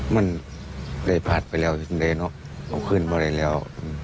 มันได้ผ่านไปแล้วที่สุดนี้เนอะขึ้นไปเลยแล้ว